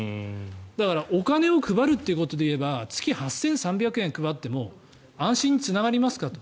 だからお金を配るということでいえば月８３００円配っても安心につながりますかと。